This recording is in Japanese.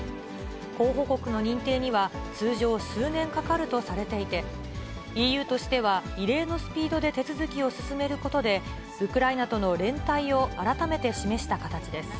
候補国の認定には、通常、数年かかるとされていて、ＥＵとしては異例のスピードで手続きを進めることで、ウクライナとの連帯を改めて示した形です。